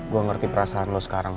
gue ngerti perasaan lo sekarang